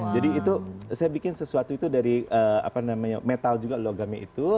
jadi itu saya bikin sesuatu itu dari apa namanya metal juga logamnya itu